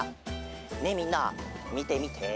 ねえみんなみてみて。